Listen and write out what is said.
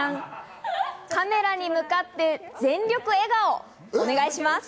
カメラに向かって全力笑顔、お願いします。